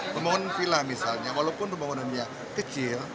pembangunan villa misalnya walaupun pembangunannya kecil